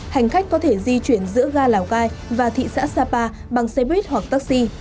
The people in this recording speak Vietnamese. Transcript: hành khách có thể di chuyển giữa ga lào cai và thị xã sapa bằng xe buýt hoặc taxi